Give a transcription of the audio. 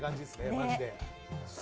マジで。